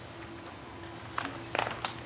すいません。